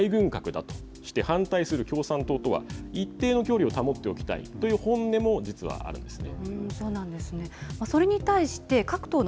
なので防衛力強化を大軍拡だとして反対する共産党とは一定の距離を保っておきたいという本音も実はあるんですね。